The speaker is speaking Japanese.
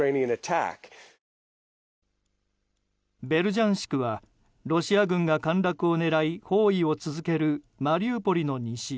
ベルジャンシクはロシア軍が陥落を狙い包囲を続けるマリウポリの西